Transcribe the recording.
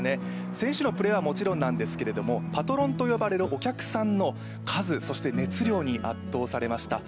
選手のプレーはもちろんなんですけどもパトロンと呼ばれるお客さんの数そして熱量に圧倒されました。